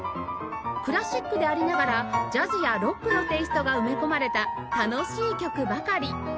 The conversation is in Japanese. クラシックでありながらジャズやロックのテイストが埋め込まれた楽しい曲ばかり